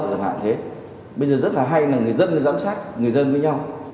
bây giờ rất hay là người dân giám sát người dân với nhau